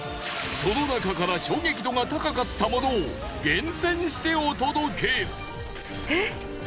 その中から衝撃度が高かったものを厳選してお届け！